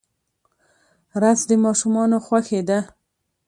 رس د ماشومانو خوښي ده